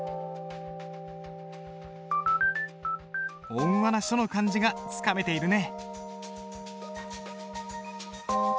温和な書の感じがつかめているね。